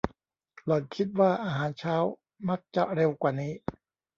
หล่อนคิดว่าอาหารเช้ามักจะเร็วกว่านี้